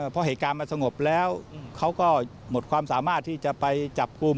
เพราะเหตุการณ์มันสงบแล้วเขาก็หมดความสามารถที่จะไปจับกลุ่ม